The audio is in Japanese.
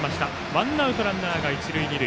ワンアウトランナーが一塁二塁。